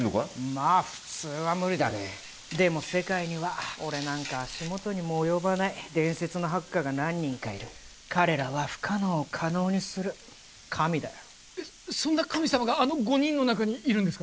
まあ普通は無理だねでも世界には俺なんか足元にも及ばない伝説のハッカーが何人かいる彼らは不可能を可能にする神だよそんな神様があの５人の中にいるんですか？